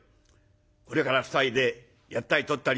これから２人でやったりとったり。